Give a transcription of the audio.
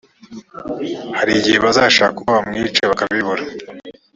hari igihe bashaka uko bazamwica bakabibura